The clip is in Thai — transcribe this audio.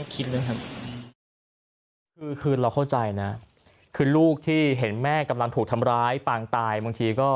คือคือเราเข้าใจนะคือลูกที่เห็นแม่กำลังถูกทำร้ายปางตายบางทีก็คือ